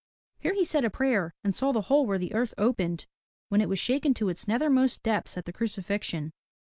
Here he said a prayer, and saw the hole where the earth opened when it was shaken to its nethermost depths at the crucifixion.